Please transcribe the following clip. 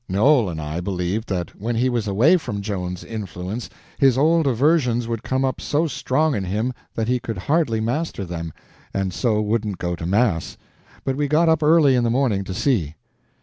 Noel and I believed that when he was away from Joan's influence his old aversions would come up so strong in him that he could not master them, and so wouldn't go to mass. But we got up early in the morning to see.